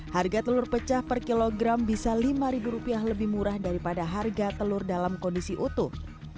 harga telur pecah per kilogram bisa lima rupiah lebih murah daripada harga telur dalam kondisi utuh